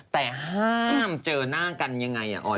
แต่ห้ามเจอหน้ากันยังไงอะโอ๊ย